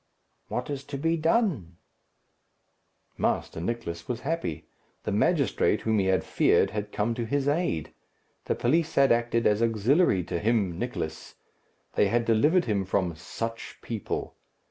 "What is to be done?" Master Nicless was happy. The magistrate, whom he had feared, had come to his aid. The police had acted as auxiliary to him, Nicless. They had delivered him from "such people."